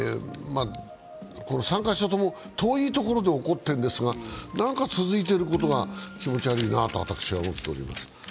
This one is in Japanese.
この３か所とも遠いところで起こってるんですが、何か続いていることが気持ち悪いなと私は思っております。